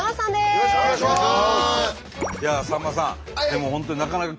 よろしくお願いします。